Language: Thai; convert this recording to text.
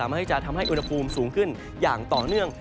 ไม่ให้จะทำให้อุณหภูมิสูงขึ้นอย่างต่อเนื่อง